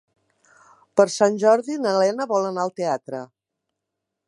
Per Sant Jordi na Lena vol anar al teatre.